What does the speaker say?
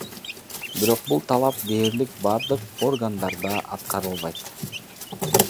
Бирок бул талап дээрлик бардык органдарда аткарылбайт.